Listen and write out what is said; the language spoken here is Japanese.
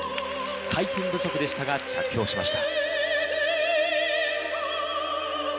回転不足でしたが着氷しました。